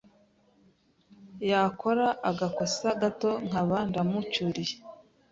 yakora agakosa gato nkaba ndamucyuriye